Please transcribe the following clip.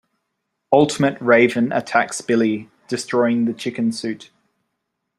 Ultimate Raven attacks Billy, destroying the Chicken Suit.